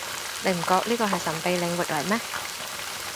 你唔覺呢個係神秘領域嚟咩